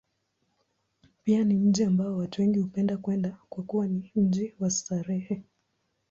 Pia ni mji ambao watu wengi hupenda kwenda, kwa kuwa ni mji wa starehe.